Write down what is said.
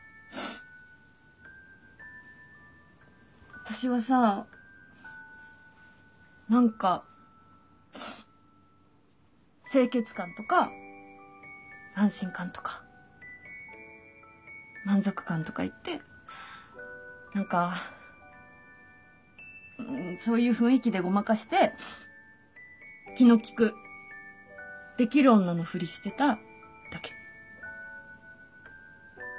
私はさ何か清潔感とか安心感とか満足感とかいって何かんそういう雰囲気でごまかして気の利くできる女のふりしてただけ。